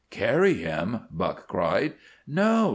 "Carry him?" Buck cried. "No!